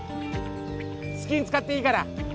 好きに使っていいから。